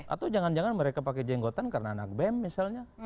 atau jangan jangan mereka pakai jenggotan karena anak bem misalnya